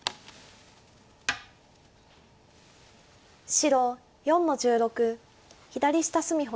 白４の十六左下隅星。